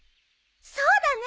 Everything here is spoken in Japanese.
そうだね。